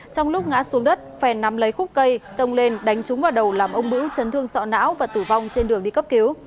trong lúc ngã xuống đất phèn nắm lấy khúc cây xông lên đánh trúng vào đầu làm ông bững chấn thương sọ não và tử vong trên đường đi cấp cứu